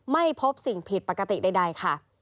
ไม่พบสิ่งผิดปกติใดค่ะ